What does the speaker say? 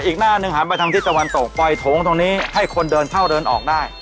อีกหน้าหนึ่งหันไปทางทิศตะวันตกปล่อยโถงตรงนี้ให้คนเดินเข้าเดินออกได้